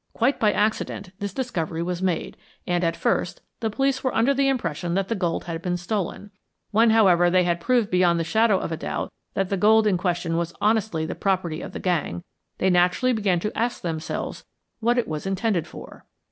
Quite by accident this discovery was made, and, at first, the police were under the impression that the gold had been stolen. When, however, they had proved beyond the shadow of a doubt that the gold in question was honestly the property of the gang, they naturally began to ask themselves what it was intended for.